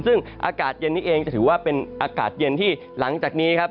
ซึ่งอากาศเย็นนี้เองจะถือว่าเป็นอากาศเย็นที่หลังจากนี้ครับ